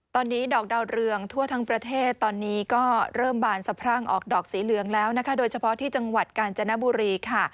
ตอนนี้ดอกดาวเรืองทั่วทั้งประเทศตอนนี้ก็เริ่มบานสะพรั่งออกดอกสีเหลืองแล้วนะคะโดยเฉพาะที่จังหวัดกาญจนบุรีค่ะ